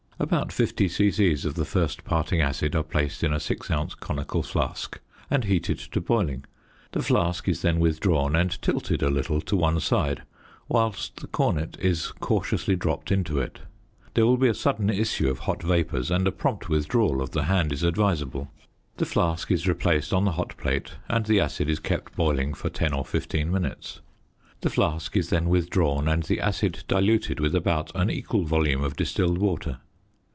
About 50 c.c. of the first parting acid are placed in a 6 ounce conical flask and heated to boiling; the flask is then withdrawn, and tilted a little to one side, whilst the cornet is cautiously dropped into it; there will be a sudden issue of hot vapours and a prompt withdrawal of the hand is advisable. The flask is replaced on the hot plate and the acid is kept boiling for 10 or 15 minutes. The flask is then withdrawn and the acid diluted with about an equal volume of distilled water.